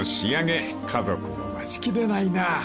［家族も待ちきれないな］